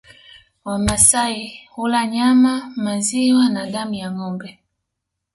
Wamasai hula nyama maziwa na damu ya ngombe